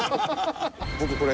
僕これ。